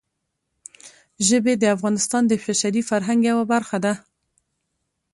ژبې د افغانستان د بشري فرهنګ یوه برخه ده.